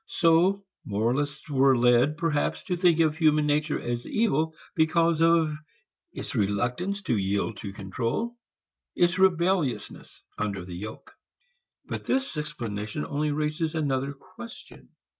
So moralists were led, perhaps, to think of human nature as evil because of its reluctance to yield to control, its rebelliousness under the yoke. But this explanation only raises another question.